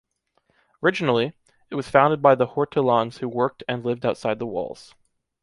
Originally, it was founded by the hortelans who worked and lived outside the walls.